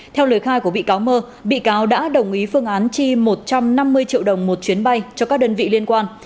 theo lời khai của bị cáo mơ bị cáo đã đồng ý phương án chi một trăm năm mươi triệu đồng một chuyến bay cho các đơn vị liên quan